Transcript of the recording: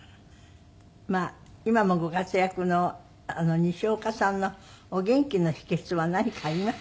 まあ今もご活躍の西岡さんのお元気の秘訣は何かあります？